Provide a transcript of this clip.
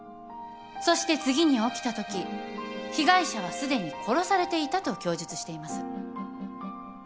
そして次に起きたとき被害者はすでに殺されていたと供述しています。